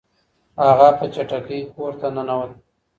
هغه په چټکۍ کور ته ننوت.